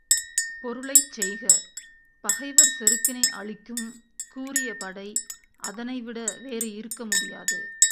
பொருளைச் செய்க, பகைவர் செருக்கினை அழிக்கும் கூரிய படை அதனைவிட வேறு இருக்க முடியாது.